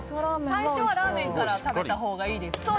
最初はラーメンから食べたほうがいいですね。